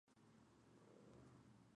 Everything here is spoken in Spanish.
Es cabecera del municipio de Cuitzeo.